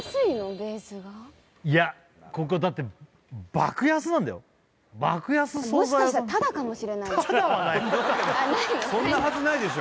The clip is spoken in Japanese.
ベースがいやここだって爆安惣菜屋さんタダはないそんなはずないでしょ